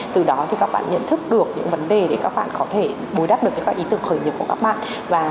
từ đó thì các bạn nhận thức được những vấn đề để các bạn có thể bối đắp được các ý tưởng khởi nghiệp của các bạn